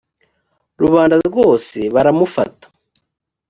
rubanda rwose baramufata